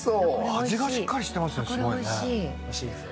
味がしっかりしてますねすごいね。